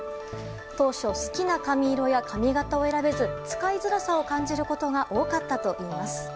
当初、好きな髪色や髪形を選べず使いづらさを感じることが多かったといいます。